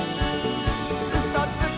「うそつき！」